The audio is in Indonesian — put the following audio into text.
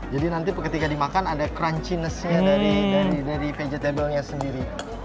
jadi nanti ketika dimakan ada crunchiness nya dari vegetable nya sendiri